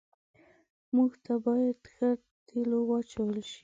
موټر ته باید ښه تیلو واچول شي.